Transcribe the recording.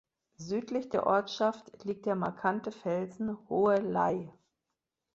Südlich der Ortschaft liegt der markante Felsen Hohe Ley.